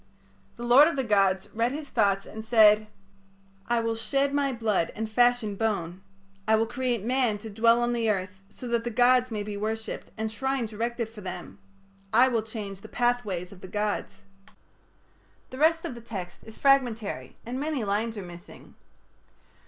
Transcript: The lord of the gods read his thoughts and said: "I will shed my blood and fashion bone... I will create man to dwell on the earth so that the gods may be worshipped and shrines erected for them. I will change the pathways of the gods...." The rest of the text is fragmentary, and many lines are missing.